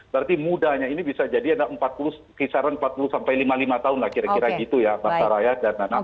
berarti mudanya ini bisa jadi ada empat puluh kisaran empat puluh sampai lima puluh lima tahun lah kira kira gitu ya basaraya dan anak anak